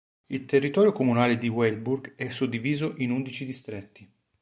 Il territorio comunale di Weilburg è suddiviso in undici distretti.